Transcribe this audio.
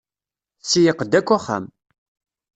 Tseyyeq-d akk axxam.